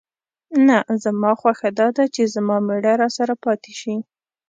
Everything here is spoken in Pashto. نه، زما خوښه دا ده چې زما مېړه راسره پاتې شي.